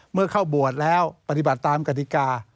เมื่อเข้าบวชแล้วปฏิบัติตามกฎิกา